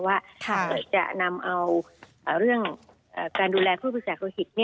ถ้าเกิดจะนำเอาเรื่องการดูแลผู้บริจาคโลหิต